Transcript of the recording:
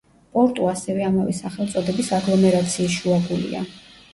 პორტუ ასევე ამავე სახელწოდების აგლომერაციის შუაგულშია.